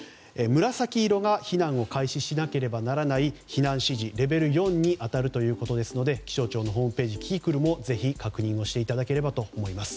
紫色が避難を開始しなければならない避難指示レベル４に当たるということですので気象庁のホームページキキクルも確認していただければと思います。